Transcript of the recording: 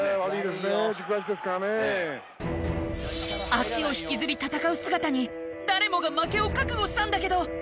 足を引きずり戦う姿に誰もが負けを覚悟したんだけど。